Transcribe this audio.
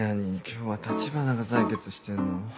今日は橘が採血してんの？